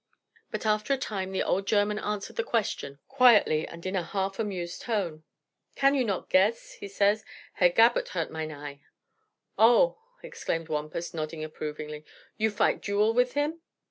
But after a time the old German answered the question, quietly and in a half amused tone. "Can you nod guess?" he said. "Herr Gabert hurt mine eye." "Oh!" exclaimed Wampus, nodding approvingly "You fight duel with him?